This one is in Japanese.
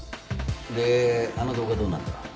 であの動画どうなった？